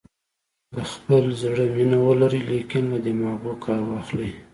د خپل زړه مینه ولرئ لیکن له دماغو کار واخلئ.